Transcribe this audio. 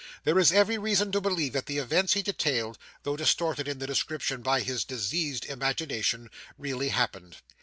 There is every reason to believe that the events he detailed, though distorted in the description by his diseased imagination, really happened.